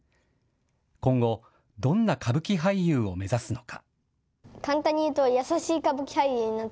今後、どんな歌舞伎俳優を目指すのか。